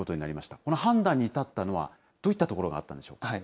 この判断に至ったのは、どういったところがあったんでしょうか。